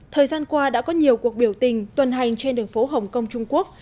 thời gian qua đã có nhiều cuộc biểu tình tuần hành trên đường phố hồng kông trung quốc